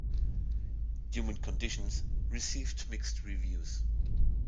"Human Conditions" received mixed reviews.